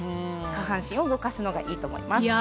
下半身を動かすのがいいと思います。